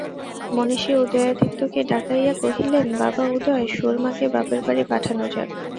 মহিষী উদয়াদিত্যকে ডাকাইয়া কহিলেন, বাবা উদয়, সুরমাকে বাপের বাড়ি পাঠানো যাক।